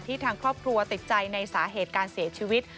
ทางครอบครัวติดใจในสาเหตุการเสียชีวิต